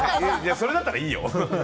それだったらいいよ。